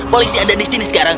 polisi ada di sini sekarang